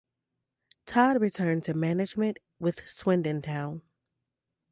Todd returned to management with Swindon Town.